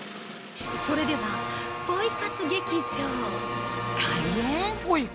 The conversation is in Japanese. それでは、ポイ活劇場、開演！